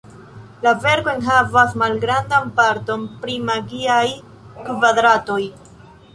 La verko enhavas malgrandan parton pri magiaj kvadratoj.